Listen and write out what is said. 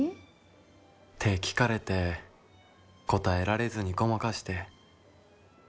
「って聞かれて答えられずにごまかして。